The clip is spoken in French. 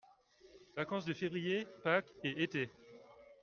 Vacances de février, pâques et été.